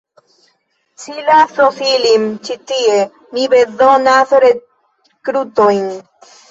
Ci lasos ilin ĉi tie; mi bezonas rekrutojn.